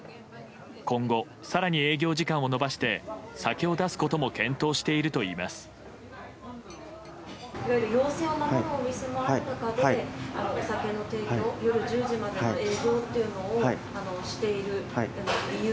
今後、更に営業時間を延ばして酒を出すことも検討しているといいます。